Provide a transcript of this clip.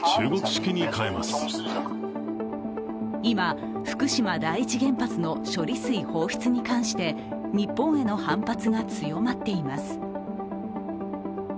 今、福島第一原発の処理水放出に関して日本への反発が強まっています。